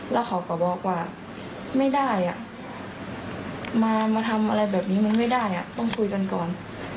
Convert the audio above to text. แล้วเขาก็บอกว่าไม่ได้มาทำอะไรแบบนี้มันไม่ได้ต้องคุยกันก่อน